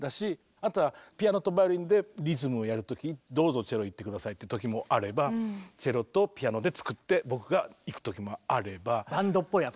あとはピアノとバイオリンでリズムをやる時どうぞチェロいって下さいって時もあればチェロとピアノで作って僕がいく時もあれば。